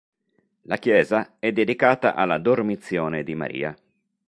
La chiesa è dedicata alla Dormizione di Maria.